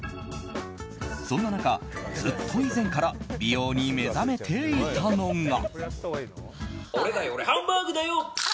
そんな中、ずっと以前から美容に目覚めていたのが。